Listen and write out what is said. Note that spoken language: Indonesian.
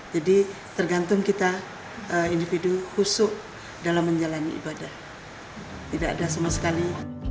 jadi tergantung kita individu khusus dalam menjalani ibadah tidak ada sama sekali